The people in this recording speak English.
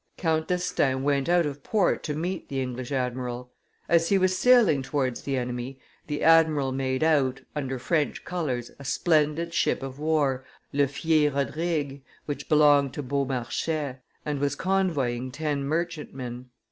Count d'Estaing went out of port to meet the English admiral; as he was sailing towards the enemy, the admiral made out, under French colors, a splendid ship of war, Le Fier Rodrigue, which belonged to Beaumarchais, and was convoying ten merchant men.